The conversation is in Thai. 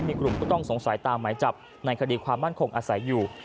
มีกลุ่มผู้ต้องสงสัยตามหมายจับในคดีความมั่นคงอาศัยอยู่